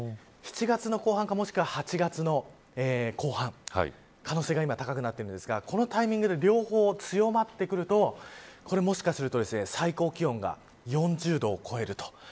７月の後半かもしくは８月の後半の可能性が今、高くなっていますがこのタイミングで両方強まってくるともしかすると最高気温が４０度を超えると。